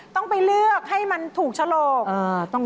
ต้องไปเลือกให้มันถูกฉลก